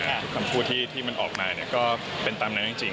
ทุกคำพูดที่มันออกมาก็เป็นตามนั้นจริง